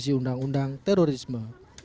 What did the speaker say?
revisi undang undang terorisme